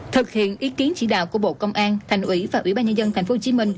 thực hiện ý kiến chỉ đạo của bộ công an thành ủy và ủy ban nhân dân tp hcm